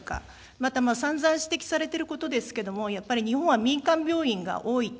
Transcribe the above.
また、さんざん指摘されていることですけれども、やっぱり日本は民間病院が多いと。